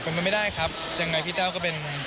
มันไม่ได้ครับยังไงพี่เต้าก็เป็น